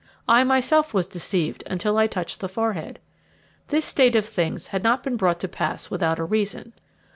I myself was deceived until I touched the forehead. This state of things had not been brought to pass without a reason.